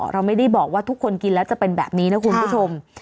เราไม่ได้บอกว่าทุกคนกินแล้วจะเป็นแบบนี้นะคุณผู้ชม